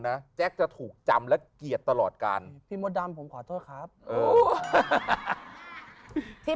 แจ๊คจะถูกจำและเกียรติตลอดการพี่มดดำผมขอโทษครับเออที่